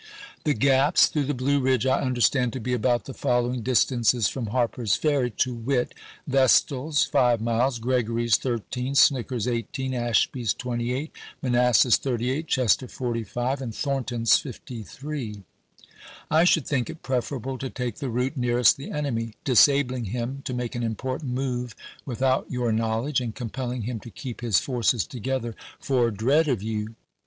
The gaps through the Blue Ridge I understand to be about the following distances from Harper's Ferry, to wit: Vestal's, 5 miles; G regory's, 13; Snicker's, 18; Ashby's, 28 ; Manassas, 38 ; Chester, 45 ; and Thornton's, 53. I should think it preferable to take the route nearest the enemy, disabling him to make an important move without your knowledge, and compelling him to keep his forces together for dread of you.